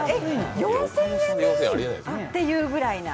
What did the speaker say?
４０００円でいいんだっていうぐらいな。